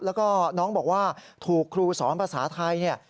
แล้วก็น้องบอกว่าถูกครูสอนภาษาไทยเนี่ย